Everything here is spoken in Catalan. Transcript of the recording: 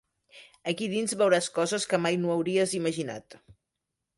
Aquí dins veuràs coses que mai no hauries imaginat.